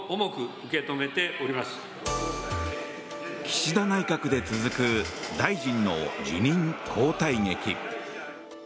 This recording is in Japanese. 岸田内閣で続く大臣の辞任・交代劇。